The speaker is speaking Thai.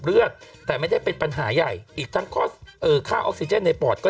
เลือดแต่ไม่ได้เป็นปัญหาใหญ่อีกทั้งข้อเอ่อค่าออกซิเจนในปอดก็